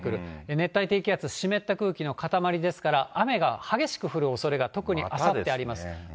熱帯低気圧、湿った空気の塊ですから、雨が激しく降るおそれが、特にあさってあります。